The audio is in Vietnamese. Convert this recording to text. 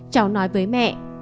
cháu nói với mẹ